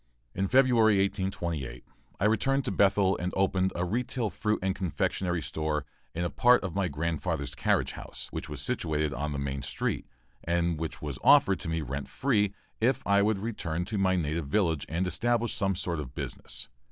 In February, 1828, I returned to Bethel and opened a retail fruit and confectionery store in a part of my grandfather's carriage house, which was situated on the main street, and which was offered to me rent free if I would return to my native village and establish some sort of business.